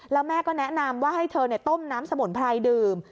แล้วแม่ก็แนะนำว่าให้เธอต้มน้ำสมุนไพรดื่ม